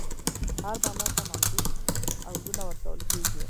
هر بالر ته محدود اوورونه ورکول کیږي.